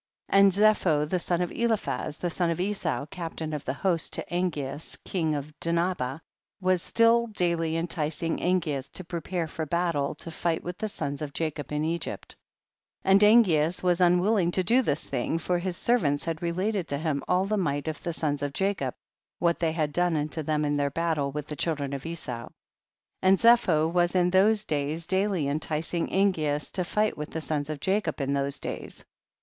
5. And Zepho the son of Eliphaz the son of Esau, captain of the host to Aiigeas king of Dinhabah, was still daily enticing Angeas to prepare for battle to fight with the sons of Jacob in Egypt, and Angeas was unwilling to do this thing, for his servants had related to him all the might of the sons of Jacob, what they had done unto them in their battle with the children of Esau, 6. And Zepho was in those days daily enticing Angeas to fight with the sons of Jacob in those days.